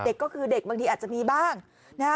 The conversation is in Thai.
เด็กก็คือเด็กบางทีอาจจะมีบ้างนะฮะ